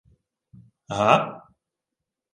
— Га?